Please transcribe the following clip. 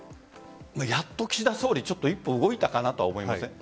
やっと岸田総理一歩動いたかなと思います。